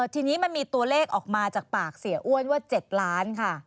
ทีนี้มันมีตัวเลขออกมาจากปากเสียอ้วนว่า๗ล้านค่ะ